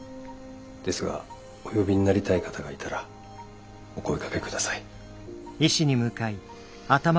ですがお呼びになりたい方がいたらお声がけ下さい。